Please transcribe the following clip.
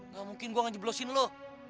gak mungkin gua ngejeblosin lu